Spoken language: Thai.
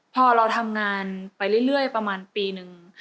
พอเราทำงานไปเรื่อยประมาณปีนึง